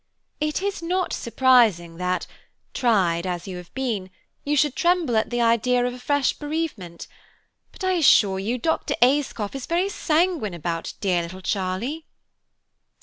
"It is not surprising that, tried as you have been, you should tremble at the idea of a fresh bereavement; but I assure you Dr. Ayscough is very sanguine about dear little Charlie."